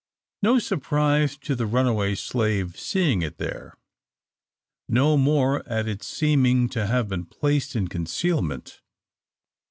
No surprise to the runaway slave seeing it there; no more at its seeming to have been placed in concealment.